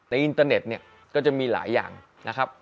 อินเตอร์เน็ตเนี่ยก็จะมีหลายอย่างนะครับ